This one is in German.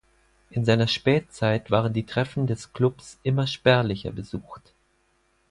In seiner Spätzeit waren die Treffen des Clubs immer spärlicher besucht.